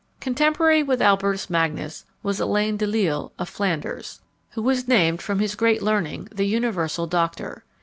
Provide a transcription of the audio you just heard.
Contemporary with Albertus Magnus was Alain de Lisle of Flanders, who was named, from his great learning, the "universal doctor."